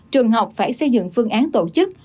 trường học phải xây dựng phương án tổ chức